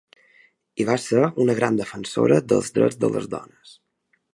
I va ser una gran defensora dels drets de les dones.